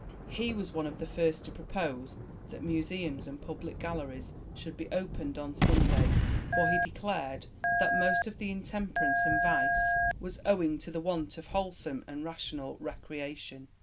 He was one of the first to propose that museums and public galleries should be opened on Sundays, for he declared that most of the intemperance and vice was owing to the want of wholesome and rational recreation.